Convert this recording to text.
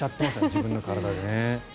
自分の体でね。